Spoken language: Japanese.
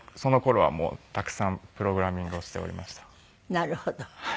なるほど。